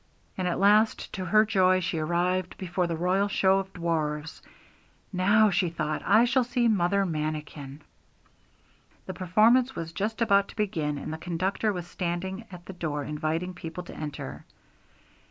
And at last, to her joy, she arrived before the 'Royal Show of Dwarfs.' 'Now,' she thought, 'I shall see Mother Manikin.' The performance was just about to begin, and the conductor was standing at the door inviting people to enter.